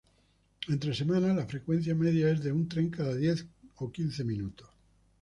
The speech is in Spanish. Entre semanas la frecuencia media es de un tren cada diez-quince minutos.